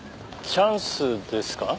チャンスですか？